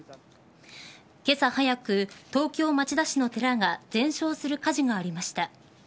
今朝早く、東京・町田市の寺が全焼する火事がありました。